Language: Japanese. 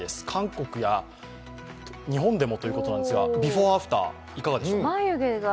韓国や日本でもということなんですが、ビフォーアフター、いかがでしょう？